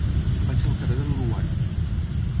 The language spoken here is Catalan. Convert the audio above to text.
Vaig al carrer de l'Uruguai.